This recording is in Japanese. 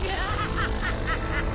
ハハハハ！